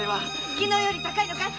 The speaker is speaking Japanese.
昨日より高いのかい？